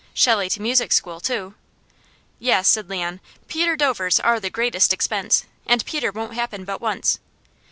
"Shelley to music school, two." "Yes," said Leon. "Peter Dovers are the greatest expense, and Peter won't happen but once.